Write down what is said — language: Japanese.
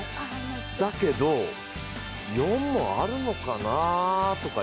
だけど、４もあるのかなとか